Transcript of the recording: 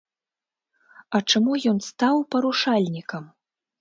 А чаму ён стаў парушальнікам?